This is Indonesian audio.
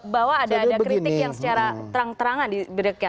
bahwa ada kritik yang secara terang terangan